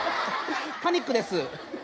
パニックです。